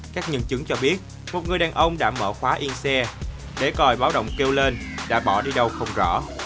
các nhân chứng cho biết một người đàn ông đã mở khóa y xe để coi báo động kêu lên đã bỏ đi đâu không rõ